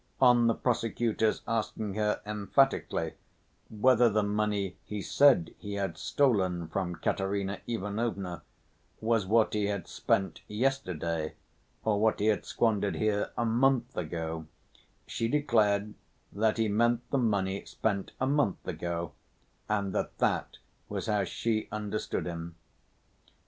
On the prosecutor's asking her emphatically whether the money he said he had stolen from Katerina Ivanovna was what he had spent yesterday, or what he had squandered here a month ago, she declared that he meant the money spent a month ago, and that that was how she understood him.